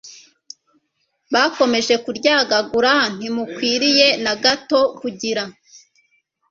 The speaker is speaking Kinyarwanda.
bakomeje kuryagagura Ntimukwiriye na gato kugira